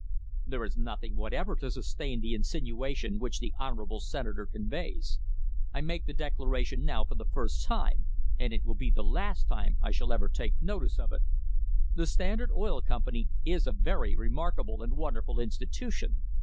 "There is nothing whatever to sustain the insinuation which the honourable Senator conveys. I make the declaration now for the first time, and it will be the last time I shall ever take notice of it. The Standard Oil Com pany is a very remarkable and wonderful institution.